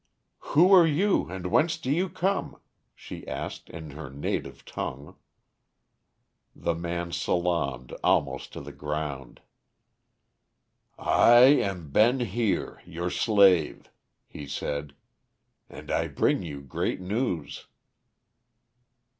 "Who are you, and whence do you come?" she asked in her native tongue. The man salaamed almost to the ground. "I am Ben Heer, your slave," he said, "and I bring you great news."